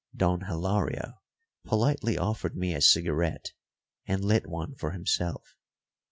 Don Hilario politely offered me a cigarette and lit one for himself.